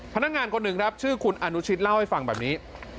พนักงานคนหนึ่งครับชื่อคุณอนุชิตเล่าให้ฟังแบบนี้